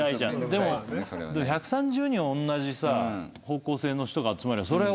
でも１３０人おんなじ方向性の人が集まりゃ